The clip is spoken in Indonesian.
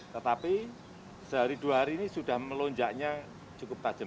tetapi sehari dua hari ini sudah melonjaknya cukup tajam